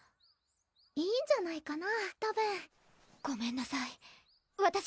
いいんじゃないかなたぶんごめんなさいわたし